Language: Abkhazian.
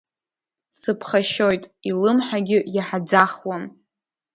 Сыԥхашьоит, илымҳагьы иаҳаӡахуам.